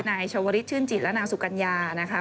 นายชาวริสชื่นจิตและนางสุกัญญานะคะ